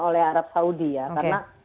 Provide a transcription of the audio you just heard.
oleh arab saudi ya karena